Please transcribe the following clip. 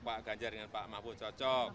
pak ganjar dengan pak mahfud cocok